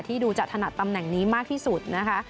ดูจะถนัดตำแหน่งนี้มากที่สุดนะคะ